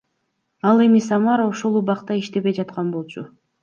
Ал эми Самара ошол убакта иштебей жаткан болчу.